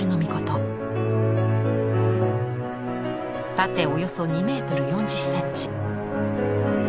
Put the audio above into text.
縦およそ２メートル４０センチ。